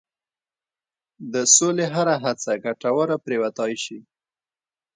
د سولې هره هڅه ګټوره پرېوتای شي.